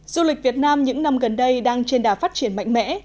du lịch việt nam những năm gần đây đang trên đà phát triển mạnh mẽ